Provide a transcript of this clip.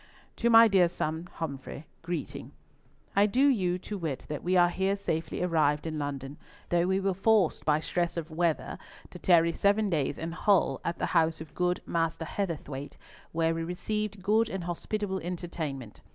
"To my dear son Humfrey, greeting— "I do you to wit that we are here safely arrived in London, though we were forced by stress of weather to tarry seven days in Hull, at the house of good Master Heatherthwayte, where we received good and hospitable entertainment.